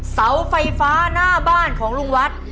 เสาไฟฟ้าหน้าบ้านของลุงวัด